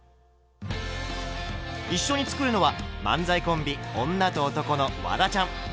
一緒に作るのは漫才コンビ「女と男」のワダちゃん。